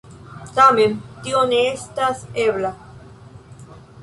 Tamen tio ne estas ebla.